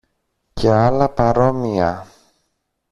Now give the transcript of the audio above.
και άλλα παρόμοια.